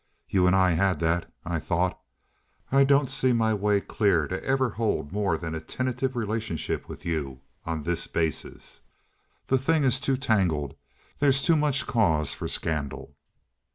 You and I had that, I thought. I don't see my way clear to ever hold more than a tentative relationship with you on this basis. The thing is too tangled. There's too much cause for scandal."